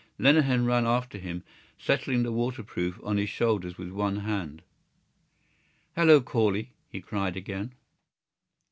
Lenehan ran after him, settling the waterproof on his shoulders with one hand. "Hallo, Corley!" he cried again.